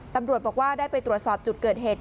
ตำรวจบอกว่าได้ไปตรวจสอบจุดเกิดเหตุ